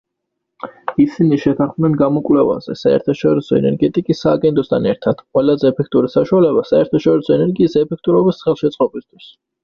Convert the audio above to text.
ისინი შეთანხმდნენ გამოკვლევაზე, საერთაშორისო ენერგეტიკის სააგენტოსთან ერთად, ყველაზე ეფექტური საშუალება საერთაშორისო ენერგიის ეფექტურობის ხელშეწყობისთვის.